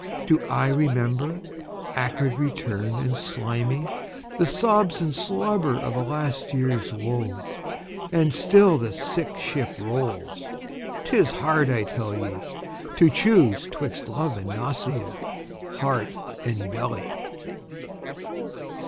Do I remember? Acrid return and slimy, The sobs and slobber of a last years woe. And still the sick ship rolls. 'Tis hard, I tell ye, To choose 'twixt love and nausea, heart and belly.